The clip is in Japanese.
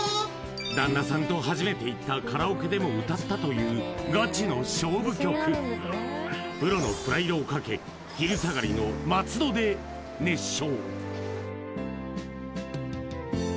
旦那さんと初めて行ったカラオケでも歌ったというガチの勝負曲昼下がりの松戸で熱唱